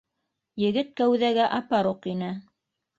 Егет кәүҙәгә апаруҡ ине